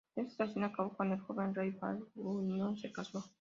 Esta situación acabó cuando el joven rey Balduino se casó.